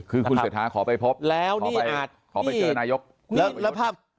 คือคุณเศรษฐาขอไปพบแล้วนี่อาจขอไปเจอนายกแล้วภาพ